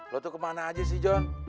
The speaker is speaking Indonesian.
lo tuh kemana aja sih john